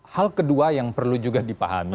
hal kedua yang perlu juga dipahami